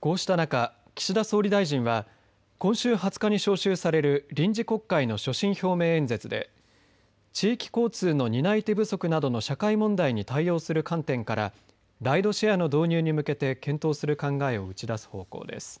こうした中、岸田総理大臣は今週２０日に召集される臨時国会の所信表明演説で地域交通の担い手不足などの社会問題に対応する観点からライドシェアの導入に向けて検討する考えを打ち出す方向です。